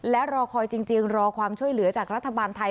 และรอคอยจริงรอความช่วยเหลือจากรัฐบาลไทย